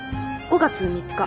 ５月３日。